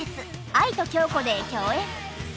愛と響子』で共演。